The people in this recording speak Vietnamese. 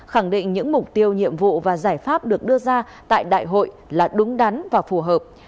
khẳng định những mục tiêu nhiệm vụ và giải pháp được đưa ra tại đại hội là đúng đắn và phù hợp